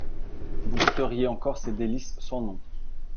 Vous goûteriez encore ces délices sans nom.